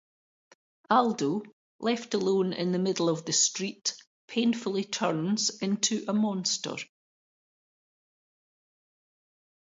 Aldo, left alone in the middle of the street, painfully turns into a monster.